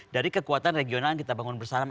dari kekuatan regional yang kita bangun bersama